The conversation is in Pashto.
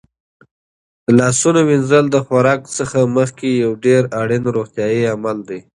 د لاسونو وینځل د خوراک څخه مخکې یو ډېر اړین روغتیايي عمل دی.